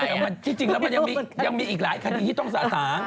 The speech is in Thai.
แต่ที่จริงแล้วมันยังมีอีกหลายคดีที่ต้องสะสาง